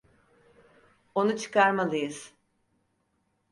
Onu çıkarmalıyız.